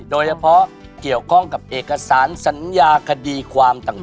โดยเฉพาะเกี่ยวข้องกับเอกสารสัญญาคดีความต่าง